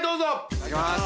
いただきます。